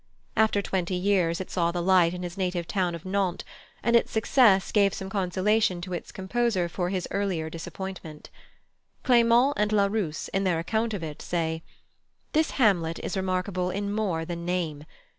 After twenty years it saw the light in his native town of Nantes, and its success gave some consolation to its composer for his earlier disappointment. Clément and Larousse, in their account of it, say: "This Hamlet is remarkable in more than name.